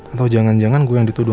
atau jangan jangan gue yang dituduh